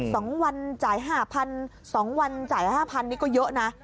สองวันจ่าย๕๐๐๐บาทสองวันจ่าย๕๐๐๐บาทนี่ก็เยอะนะ